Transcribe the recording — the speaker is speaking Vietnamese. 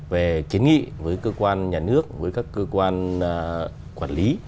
về kiến nghị với cơ quan nhà nước với các cơ quan quản lý